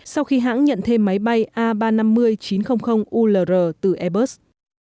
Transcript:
sau khi hãng nhận thêm máy bay a ba trăm năm mươi chín trăm linh ulr từ airbus